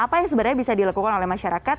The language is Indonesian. apa yang sebenarnya bisa dilakukan oleh masyarakat